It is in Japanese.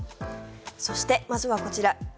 そして、まずはこちら。